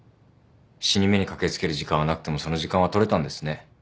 死に目に駆け付ける時間はなくてもその時間は取れたんですね。